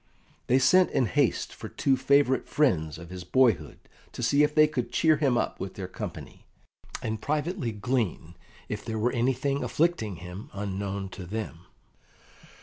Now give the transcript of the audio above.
They sent in haste for two favourite friends of his boyhood to see if they could cheer him up with their company, and privately glean if there were anything afflicting him unknown to them.